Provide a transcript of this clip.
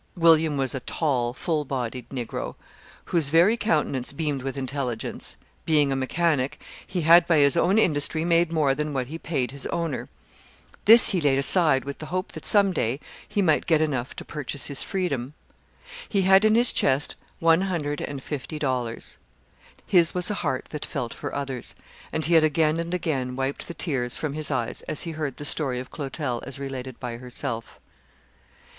William was a tall, full bodied Negro, whose very countenance beamed with intelligence. Being a mechanic, he had, by his own industry, made more than what he paid his owner; this he laid aside, with the hope that some day he might get enough to purchase his freedom. He had in his chest one hundred and fifty dollars. His was a heart that felt for others, and he had again and again wiped the tears from his eyes as he heard the story of Clotel as related by herself.